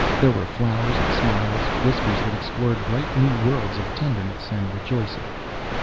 There were flowers and smiles, whispers that explored bright new worlds of tenderness and rejoicing.